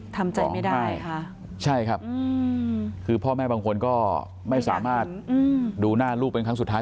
ทำใจไม่ได้ค่ะใช่ครับคือพ่อแม่บางคนก็ไม่สามารถดูหน้าลูกเป็นครั้งสุดท้าย